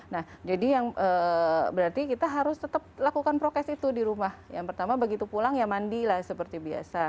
nah jadi yang berarti kita harus tetap lakukan prokes itu di rumah yang pertama begitu pulang ya mandi lah seperti biasa